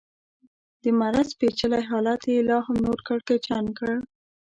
د مرض پېچلی حالت یې لا نور هم کړکېچن کړ.